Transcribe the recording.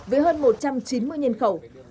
với hơn một trăm chín mươi nhân khẩu